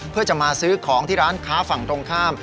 เพื่อจะมาซื้อของที่ร้านค้าฝั่งตรงข้าม